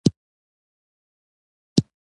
وزرې يې پرانيستې.